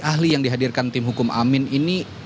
ahli yang dihadirkan tim hukum amin ini